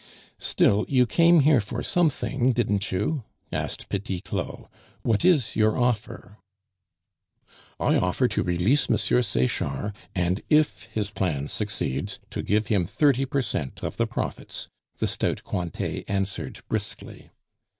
"Still you came here for something, didn't you?" asked Petit Claud. "What is your offer?" "I offer to release M. Sechard, and, if his plan succeeds, to give him thirty per cent of the profits," the stout Cointet answered briskly.